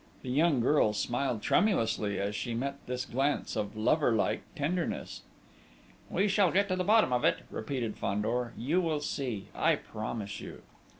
The young girl smiled tremulously, as she met this glance of lover like tenderness. "We shall get to the bottom of it," repeated Fandor. "You will see, I promise you...."